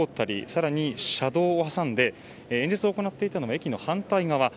更に車道を挟んで演説を行っていたのは駅の反対側。